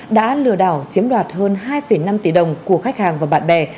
đã lừa đảo chiếm đoạt hơn hai năm tỷ đồng của khách hàng và bạn bè